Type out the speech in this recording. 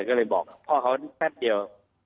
ก็เลยบอกพ่อเขาแป๊บเดียว